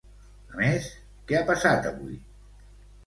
A més, què ha passat avui?